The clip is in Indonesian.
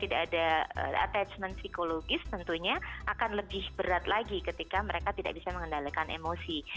tidak ada attachment psikologis tentunya akan lebih berat lagi ketika mereka tidak bisa mengendalikan emosi